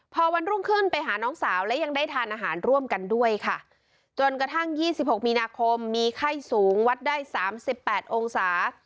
พอวันรุ่งขึ้นไปหาน้องสาวและยังได้ทานอาหารร่วมกันด้วยค่ะจนกระทั่งยี่สิบหกมีนาคมมีไข้สูงวัดได้สามสิบแปดองศา